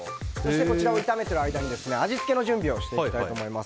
こちらを炒めてる間に味付けの準備をしていきます。